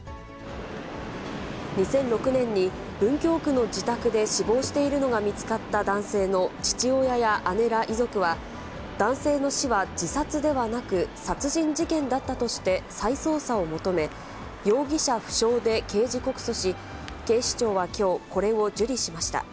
２００６年に文京区の自宅で死亡しているのが見つかった男性の父親や姉ら遺族は、男性の死は自殺ではなく、殺人事件だったとして再捜査を求め、容疑者不詳で刑事告訴し、警視庁はきょう、これを受理しました。